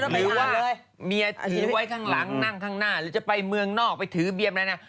หรือว่าเมียถือไว้ข้างหลังนั่งข้างหน้าหรือจะไปเมืองนอกไปถือเบียมอะไรนะ